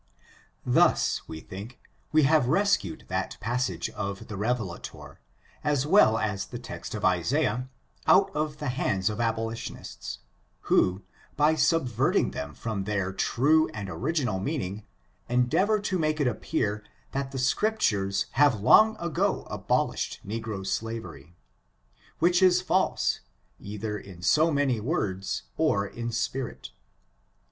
Thus, we think, we have rescued that passage of the Revelator, as well as the text of Isaiah, out of the hands of abolitionists, who, by subverting them from their true and original meaning, endeavor to make it appear th£|,t the Scriptures have long ago abolished negro sldvery, which is false, either in so many words^ or in spirit.